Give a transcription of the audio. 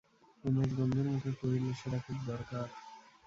উমেশ গম্ভীরমুখে কহিল, সেটা খুব দরকার।